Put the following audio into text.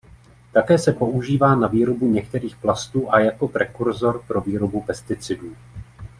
Také se používá na výrobu některých plastů a jako prekurzor pro výrobu pesticidů.